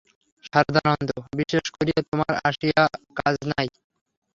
সারদানন্দ, বিশেষ করিয়া তোমার আসিয়া কাজ নাই।